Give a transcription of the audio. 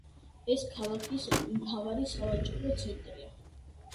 ეს ქალაქის მთავარი სავაჭრო ცენტრია.